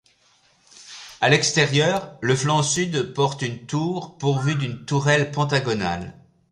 À l'extérieur, le flanc sud porte une tour pourvue d'une tourelle pentagonale.